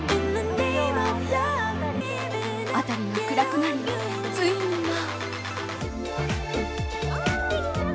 辺りが暗くなり、ついには。